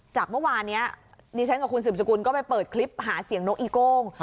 จากเมื่อวานนี้ดิฉันกับคุณสืบสกุลก็ไปเปิดคลิปหาเสียงนกอีโก้ง